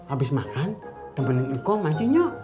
abis makan temenin iko mancin yuk